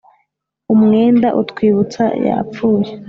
umwenda utwibutsa.… yapfuye;